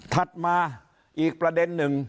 ถัดมาอีกประเด็นหนึ่ง